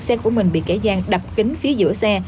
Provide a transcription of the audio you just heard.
tài sản đập kính phía giữa xe